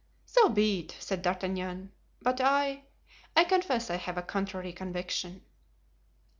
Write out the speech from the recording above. "So be it!" said D'Artagnan, "but I—I confess I have a contrary conviction."